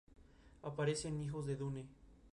El espacio, por lo tanto, sufre una evolución.